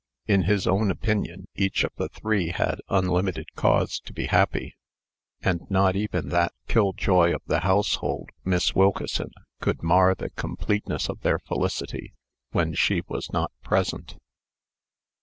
In his own opinion, each of the three had unlimited cause to be happy; and not even that killjoy of the household, Miss Wilkeson, could mar the completeness of their felicity when she was not present.